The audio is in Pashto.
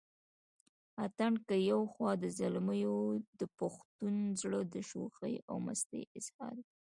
اتڼ که يو خوا د زلميو دپښتون زړه دشوخۍ او مستۍ اظهار دے